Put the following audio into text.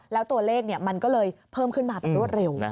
แล้วตัวเลขมันก็เลยเพิ่มขึ้นมาเป็นรวดเร็ว